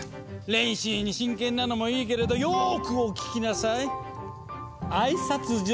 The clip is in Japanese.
練習に真剣なのもいいけれどよくお聞きなさい。